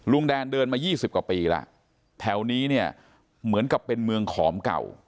แดนเดินมา๒๐กว่าปีแล้วแถวนี้เนี่ยเหมือนกับเป็นเมืองขอมเก่า